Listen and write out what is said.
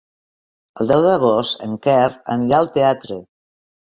El deu d'agost en Quer anirà al teatre.